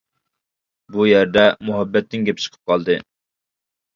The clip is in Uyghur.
بۇ يەردە مۇھەببەتنىڭ گېپى چىقىپ قالدى.